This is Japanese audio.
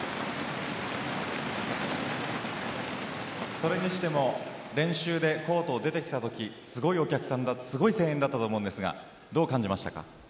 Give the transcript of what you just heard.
それにしても練習でコートを出てきたときすごいお客さんですごい声援だったと思うんですがどう感じましたか？